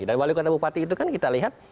dan wali kota dan bupati itu kan kita lihat